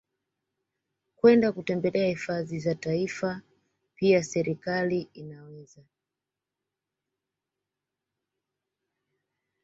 kwenda kutembelea hifadhi za Taifa Pia serekali inaweza